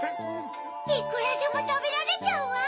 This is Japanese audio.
いくらでもたべられちゃうわ。